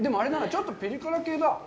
ちょっとピリ辛系だ。